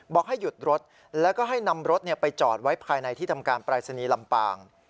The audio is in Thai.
บอกให้หยุดรถแล้วก็ให้นำรถไปจอดไว้ภายในที่ทำการปรายศนีย์ลำปาง